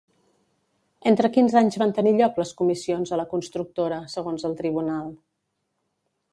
Entre quins anys van tenir lloc les comissions a la constructora, segons el tribunal?